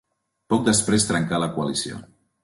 Poc després trencà la coalició.